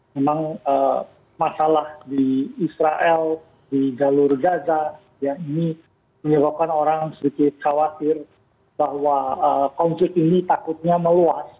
memang masalah di israel di jalur gaza ini menyebabkan orang sedikit khawatir bahwa konflik ini takutnya meluas